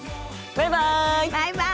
バイバイ！